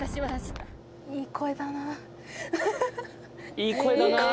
いい声だなあ。